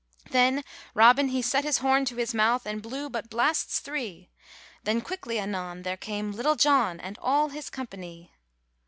Then Robin he set his horn to his mouth, And blew but blasts three; Then quickly anon there came Little John, And all his company.